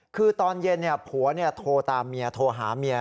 คือตอนเย็นผัวโทรตามเมียโทรหาเมีย